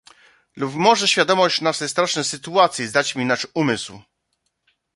"Lub może świadomość naszej strasznej sytuacji zaćmi nasz umysł?"